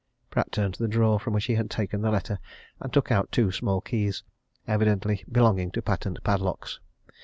'" Pratt turned to the drawer from which he had taken the letter and took out two small keys, evidently belonging to patent padlocks.